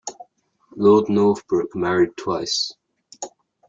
Lord Northbrook married twice.